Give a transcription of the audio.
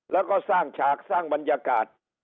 แล้วก็สร้างฉากสร้างบรรยากาศ